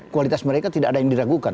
kualitas mereka tidak ada yang diragukan